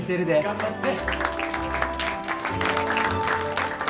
頑張って！